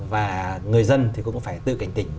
và người dân thì cũng phải tự cảnh tỉnh